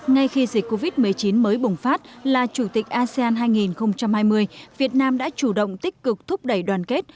ngay khi dịch covid một mươi chín mới bùng phát là chủ tịch asean hai nghìn hai mươi việt nam đã chủ động tích cực thúc đẩy đoàn kết